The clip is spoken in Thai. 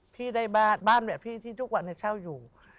พี่ได้บ้านบ้านแบบพี่ที่ทุกวันเช่าอยู่